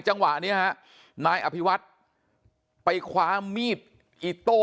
จังหวะนี้ฮะนายอภิวัตรไปคว้ามีดอิโต้